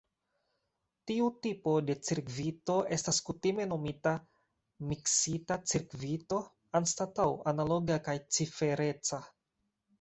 Tiu tipo de cirkvito estas kutime nomita "miksita cirkvito" anstataŭ "analoga kaj cifereca".